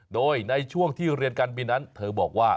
โดยในช่วงที่เรียนการบินนั้นเธอบอกว่า